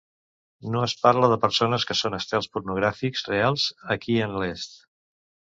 No es parla de persones que són estels pornogràfics reals aquí en l'est.